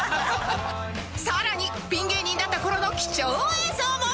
さらにピン芸人だった頃の貴重映像も！